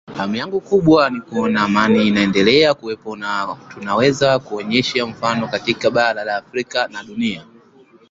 hamu yangu kubwa ni kuona amani inaendelea kuwepo na tunaweza kuonyesha mfano katika bara la Afrika na dunia